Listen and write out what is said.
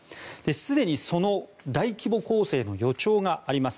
すでにその大規模攻勢の予兆があります。